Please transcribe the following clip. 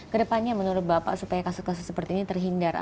kedepannya menurut bapak supaya kasus kasus seperti ini terhindar